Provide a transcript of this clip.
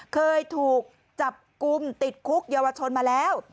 เคยถูกจับกลุ่มติดคุกเยาวชนมาแล้ว